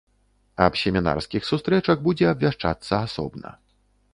Аб семінарскіх сустрэчах будзе абвяшчацца асобна.